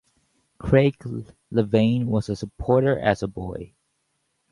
Craig Levein was a supporter as a boy.